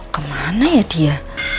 kemana ya dia